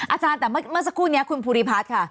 อาจารย์แต่เมื่อสักครู่นี้คุณภูริพัฒน์ค่ะ